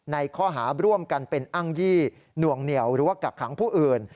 ในข้อหาร่วมกันเป็นอ้างยี่หน่วงเหนียวหรือว่ากักขังผู้อื่น